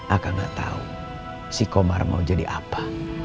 akang gak tau si komar mau jadi apa